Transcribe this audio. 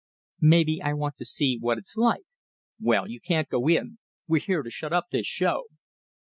"Maybe I want to see what it's like." "Well, you can't go in; we're here to shut up this show!"